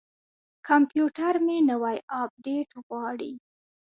کمپیوټر مې نوی اپډیټ غواړي.